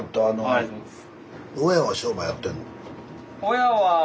ありがとうございます。